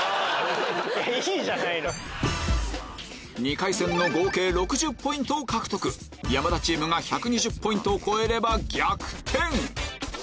２回戦の合計６０ポイントを獲得山田チームが１２０ポイントを超えなければ逆転！